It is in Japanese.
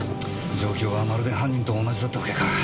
状況はまるで犯人と同じだったわけか。